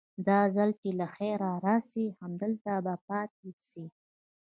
دا ځل چې له خيره راسي همدلته به پاته سي.